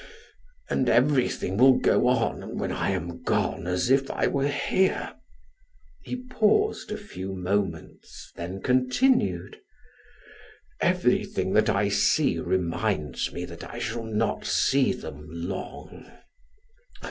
And everything will go on when I am gone as if I were here." He paused a few moments, then continued: "Everything that I see reminds me that I shall not see them long.